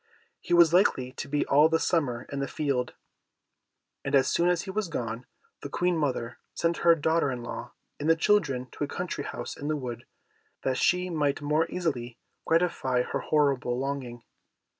He was likely to be all the summer in the field, and as soon as he was gone, the Queen mother sent her daughter in law and the children to a country house in the wood, that she might more easily gratify her horrible longing.